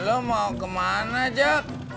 lo mau kemana jok